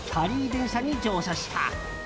電車に乗車した。